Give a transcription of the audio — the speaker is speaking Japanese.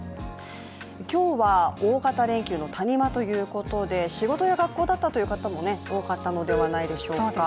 今日は大型連休の谷間ということで、仕事や学校だったという方も多かったのではないでしょうか。